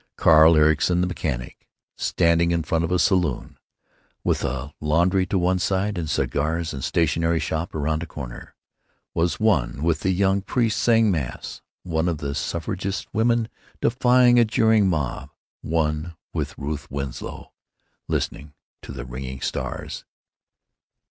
Carl Ericson the mechanic, standing in front of a saloon, with a laundry to one side and a cigars and stationery shop round the corner, was one with the young priest saying mass, one with the suffragist woman defying a jeering mob, one with Ruth Winslow listening to the ringing stars.